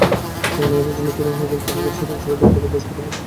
তোমাদের মধ্যে যিনি উত্তীর্ণ হইবেন, তাঁহাকে হীরকখচিত তলোয়ার পুরস্কার দিব।